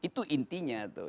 itu intinya tuh